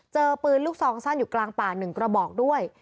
เจอปืนลูกซองสั้นอยู่กลางป่า๑กระบอกด้วย